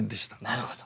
なるほど。